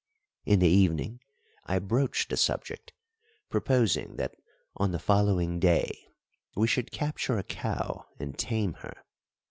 In the evening I broached the subject, proposing that on the following day we should capture a cow and tame her.